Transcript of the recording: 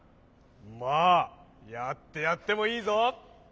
まあやってやってもいいぞ。